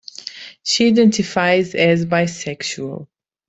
She identifies as bisexual.